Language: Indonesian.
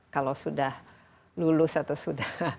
kalau sudah lulus atau sudah